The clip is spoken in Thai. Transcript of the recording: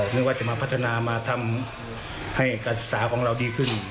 นึกว่าจะมาพัฒนามาทำให้การศึกษาของเราดีขึ้น